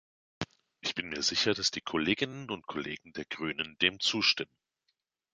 Ich bin mir sicher, dass die Kolleginnen und Kollegen der Grünen dem zustimmen.